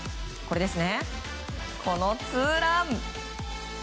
このツーラン。